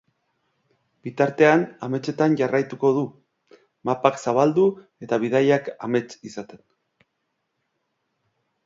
Bitartean, ametsetan jarraituko du, mapak zabaldu, eta bidaiak amets izaten.